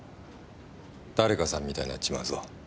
誰かさんみたいになっちまうぞ。